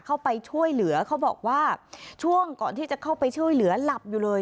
เข้าไปช่วยเหลือเขาบอกว่าช่วงก่อนที่จะเข้าไปช่วยเหลือหลับอยู่เลย